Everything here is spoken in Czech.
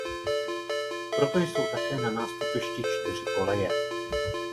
Proto jsou také na nástupišti čtyři koleje.